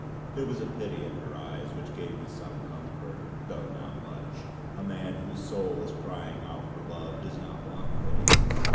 There was a pity in her eyes which gave me some comfort, though not much; a man whose soul is crying out for love does not want pity.